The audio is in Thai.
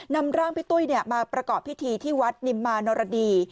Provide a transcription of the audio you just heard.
นำร่างพี่ตุ้ยมาประกอบพิธีที่วัดนิมมานรดี